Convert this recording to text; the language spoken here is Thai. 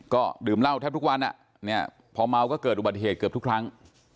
ก็ดื่มเหล้าแทบทุกวันพอเมาก็เกิดอุบัติเหตุเกือบทุกครั้ง